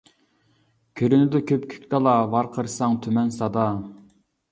كۆرۈنىدۇ كۆپكۆك دالا، ۋارقىرىساڭ تۈمەن سادا.